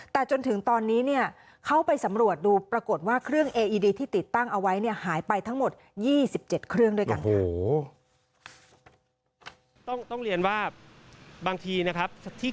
แต่จนถึงตอนนี้เค้าไปสำรวจดูปรากฏว่า